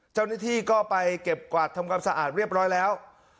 เจ้าหน้าที่ก็ไปเก็บกวาดทำความสะอาดเรียบร้อยแล้ว